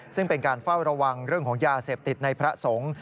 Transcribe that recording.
ซึ่งเป็นการเฝ้าระวังเรื่องของยาเสพติดในพระสงฆ์